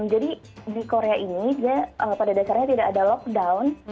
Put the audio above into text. jadi di korea ini pada dasarnya tidak ada lockdown